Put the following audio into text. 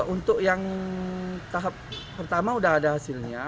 untuk yang tahap pertama sudah ada hasilnya